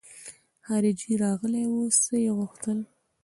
خارجۍ راغلې وه څه يې غوښتل.